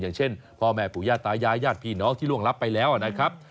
อย่างเช่นพ่อแม่ผู้ย่าตายายญาติพี่น้องที่ล่วงรับไปแล้วนะครับ